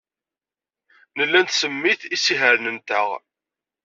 Nella nettsemmit isihaṛen-nteɣ.